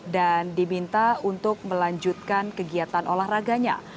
diminta untuk melanjutkan kegiatan olahraganya